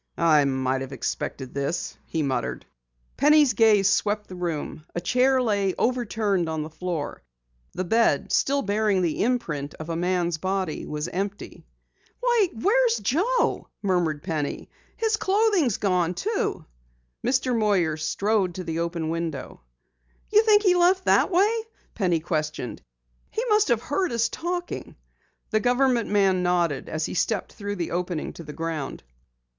"I might have expected this!" he muttered. Penny's gaze swept the room. A chair lay overturned on the floor. The bed, still bearing the imprint of a man's body, was empty. "Why, where's Joe?" murmured Penny. "His clothing is gone, too!" Mr. Moyer strode to the open window. "You think he left that way?" Penny questioned. "He must have heard us talking!" The government man nodded as he stepped through the opening to the ground.